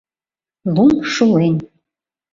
Лум шулен.